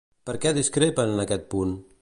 Per què discrepen en aquest punt?